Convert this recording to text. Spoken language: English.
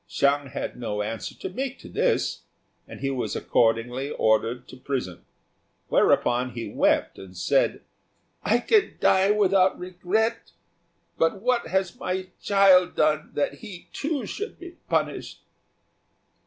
Hsiang had no answer to make to this, and he was accordingly ordered to prison; whereupon he wept and said, "I can die without regret; but what has my child done that he, too, should be punished?"